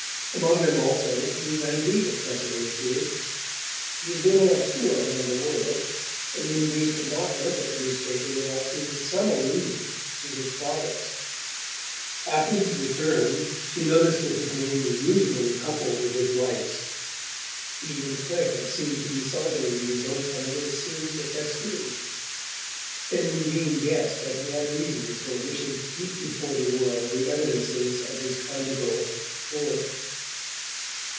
Among them also Peter Van Degen presently appeared. He had been on a tour around the world, and Undine could not look at a newspaper without seeing some allusion to his progress. After his return she noticed that his name was usually coupled with his wife's: he and Clare seemed to be celebrating his home coming in a series of festivities, and Undine guessed that he had reasons for wishing to keep before the world the evidences of his conjugal accord.